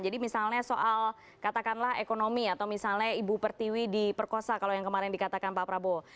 jadi misalnya soal katakanlah ekonomi atau misalnya ibu pertiwi di perkosa kalau yang kemarin dikatakan pak prabowo